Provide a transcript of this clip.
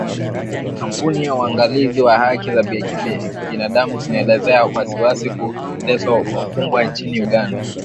Kampuni ya Uangalizi wa haki za binadamu inaelezea wasiwasi kuhusu kuteswa wafungwa nchini Uganda.